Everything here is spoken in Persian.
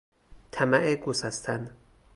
طمع گسستن